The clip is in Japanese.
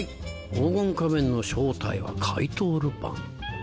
黄金仮面の正体は怪盗ルパン」。